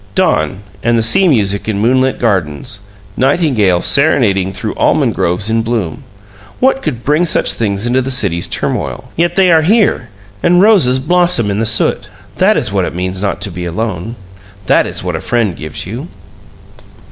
Dawn and the sea music in moonlit gardens nightingales serenading through almond groves in bloom what could bring such things into the city's turmoil? Yet they are here, and roses blossom in the soot. That is what it means not to be alone! That is what a friend gives you!